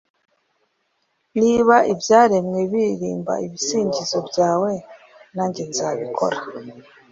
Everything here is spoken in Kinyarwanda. niba ibyaremwe biririmba ibisingizo byawe nanjye nzabikora